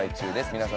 皆さん